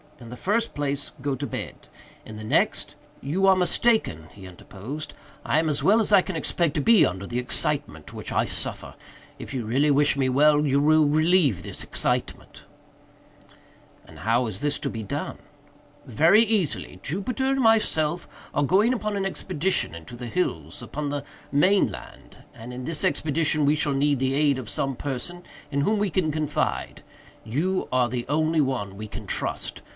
In the first place, go to bed. In the next—" "You are mistaken," he interposed, "I am as well as I can expect to be under the excitement which I suffer. If you really wish me well, you will relieve this excitement." "And how is this to be done?" "Very easily. Jupiter and myself are going upon an expedition into the hills, upon the main land, and, in this expedition we shall need the aid of some person in whom we can confide. You are the only one we can trust.